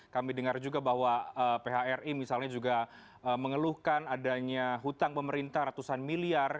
kami dengar juga bahwa phri misalnya juga mengeluhkan adanya hutang pemerintah ratusan miliar